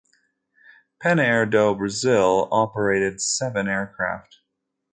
Panair do Brazil operated seven aircraft.